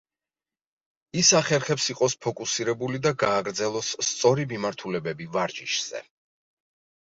ის ახერხებს იყოს ფოკუსირებული და გააგრძელოს სწორი მიმართულებები ვარჯიშზე.